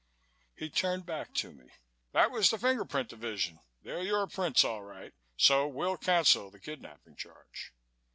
He turned back to me. "That was the Finger Print Division. They're your prints, all right, so we'll cancel the kidnapping charge."